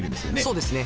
そうですね